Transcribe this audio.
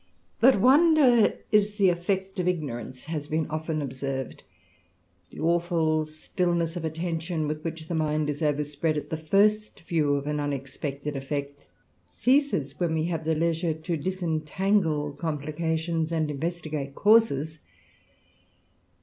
^rHAT wondef is the eflfect of ignorance, has been often ^ observed. The awftil stillness of attention, with which Vie mind is overspread at the first view of an unexpected fleet, ceases when we have leisure to disentangle com >hcations and investigate causes.